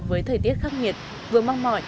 với thời tiết khắc nghiệt vừa mang mỏi